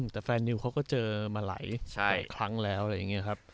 แต่แฟนนิวเขาก็เจอมาหลายครั้งแล้วอะไรอย่างนี้ครับ